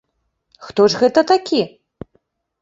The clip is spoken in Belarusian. Хто ж гэта такі?